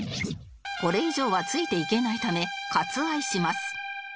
これ以上はついていけないため割愛します